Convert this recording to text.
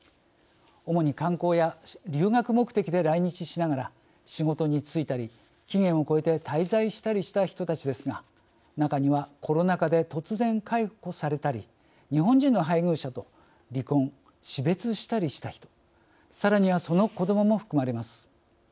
主に観光や留学目的で来日しながら仕事に就いたり期限をこえて滞在したりした人たちですが中にはコロナ禍で突然解雇されたり日本人の配偶者と離婚死別したりした人さらにはその子どもも含まれます。